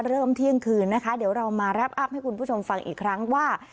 เที่ยงคืนนะคะเดี๋ยวเรามารับอัพให้คุณผู้ชมฟังอีกครั้งว่า